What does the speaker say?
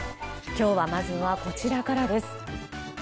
今日はまずはこちらからです。